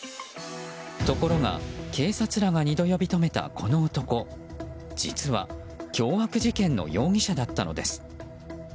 ところが警察らが２度呼び止めたこの男実は凶悪事件の容疑者だったのです。